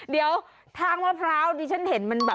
เดี๋ยวทางมะพร้าวดิฉันเห็นมันแบบ